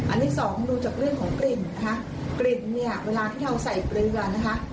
ที่สองดูจากเรื่องของกลิ่นนะคะกลิ่นเนี่ยเวลาที่เราใส่เกลือนะคะ